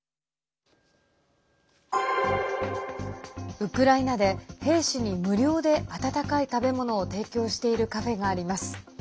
ウクライナで、兵士に無料で温かい食べ物を提供しているカフェがあります。